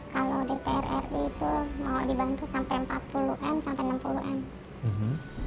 kalau dprd itu mau dibantu sampai empat puluh m sampai enam puluh m